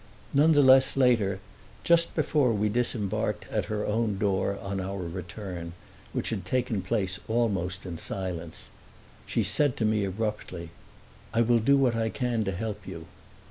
Nonetheless, later, just before we disembarked at her own door, on our return, which had taken place almost in silence, she said to me abruptly, "I will do what I can to help you."